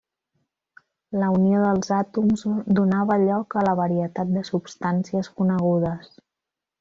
La unió dels àtoms donava lloc a la varietat de substàncies conegudes.